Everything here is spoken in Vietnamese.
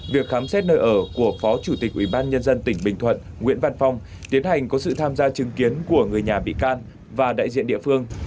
việc khám xét nơi ở của phó chủ tịch ủy ban nhân dân tỉnh bình thuận nguyễn văn phong tiến hành có sự tham gia chứng kiến của người nhà bị can và đại diện địa phương